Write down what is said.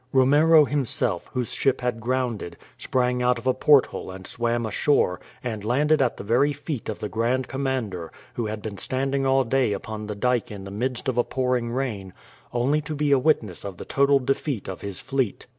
Romero himself, whose ship had grounded, sprang out of a porthole and swam ashore, and landed at the very feet of the Grand Commander, who had been standing all day upon the dyke in the midst of a pouring rain, only to be a witness of the total defeat of his fleet.